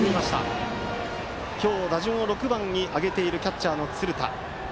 バッターは今日打順を６番に上げているキャッチャーの鶴田。